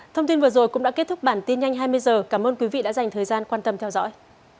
thông tin vừa rồi cũng đã kết thúc bản tin nhanh hai mươi h cảm ơn quý vị đã dành thời gian quan tâm theo dõi